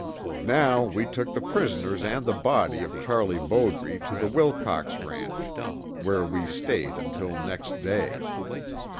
Now we took the prisoners and the body of Charlie Bowdre to the Wilcox ranch, where we stayed until next day.